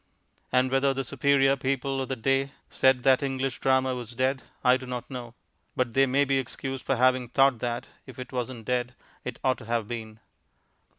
And whether the superior people of the day said that English Drama was dead, I do not know; but they may be excused for having thought that, if it wasn't dead, it ought to have been.